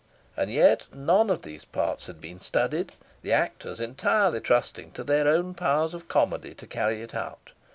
And yet none of the parts had been studied, the actors entirely trusting to their own powers of comedy to carry it out.